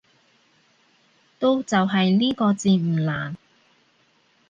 都就係呢個字唔難